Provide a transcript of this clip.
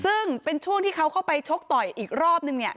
ซึ่งเป็นช่วงที่เขาเข้าไปชกต่อยอีกรอบนึงเนี่ย